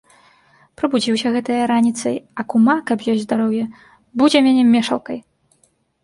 Прабудзіўся гэта я раніцай, а кума, каб ёй здароўе, будзе мяне мешалкай.